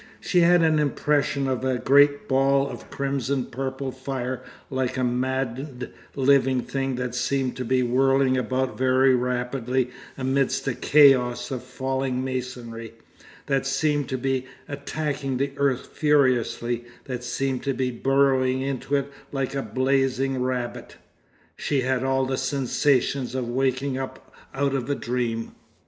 She had an impression of a great ball of crimson purple fire like a maddened living thing that seemed to be whirling about very rapidly amidst a chaos of falling masonry, that seemed to be attacking the earth furiously, that seemed to be burrowing into it like a blazing rabbit.... She had all the sensations of waking up out of a dream.